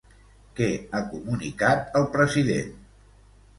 Què ha comunicat el president?